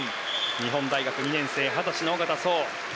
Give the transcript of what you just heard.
日本大学２年生、二十歳の小方颯。